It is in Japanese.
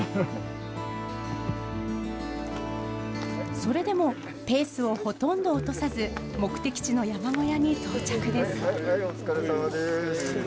それでもペースをほとんど落とさず目的地の山小屋に到着です。